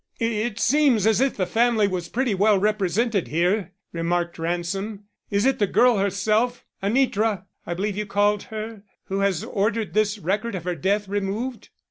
"It seems as if the family was pretty well represented here," remarked Ransom. "Is it the girl herself, Anitra, I believe you called her, who has ordered this record of her death removed?"